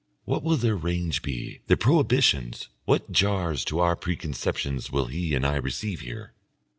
What will their range be, their prohibitions? what jars to our preconceptions will he and I receive here?